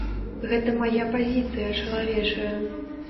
Гэта мая пазіцыя чалавечая.